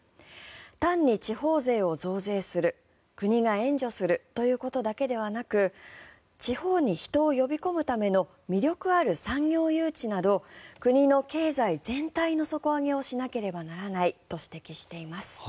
単に地方税を増税する国が援助するということだけではなく地方に人を呼び込むための魅力ある産業誘致など国の経済全体の底上げをしなければならないと指摘しています。